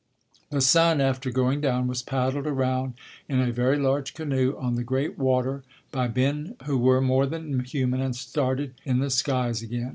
The sun after going down was paddled around in a very large canoe on the great water by men who were more than human and started in the skies again.